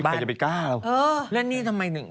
ใครจะไปกล้าเราแล้วนี่ทำไมเออ